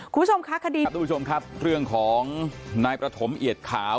คุณผู้ชมคะคดีนี้ครับทุกผู้ชมครับเรื่องของนายประถมเอียดขาว